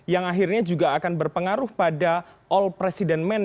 yang akhirnya juga akan berpengaruh pada all president men